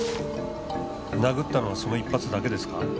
殴ったのはその１発だけですか？